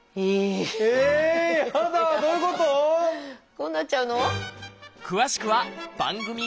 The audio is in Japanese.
こうなっちゃうの？